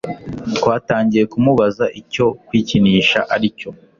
Twatangiye tumubaza icyo kwikinisha aricyo